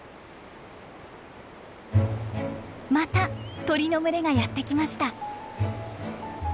また鳥の群れがやって来ました。